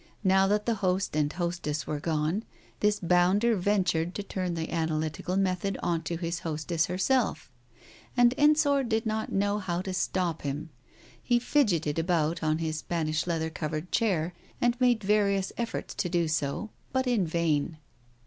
Now that the host and hostess were gone, this bounder ventured to turn the analytical method on to his hostess herself, and Ensor did not know how to stop him. He fidgeted about on his Spanish leather covered chair, and made various efforts to do so, but in vain.